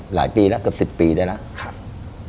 หลายปีแล้วเกือบ๑๐ปีได้แล้ว